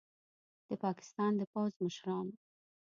د پاکستان د پوځ مشران